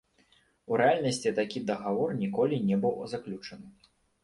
У рэальнасці такі дагавор ніколі не быў заключаны.